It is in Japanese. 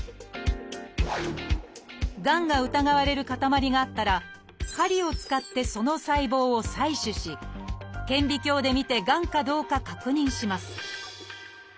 がんが疑われる塊があったら針を使ってその細胞を採取し顕微鏡でみてがんかどうか確認します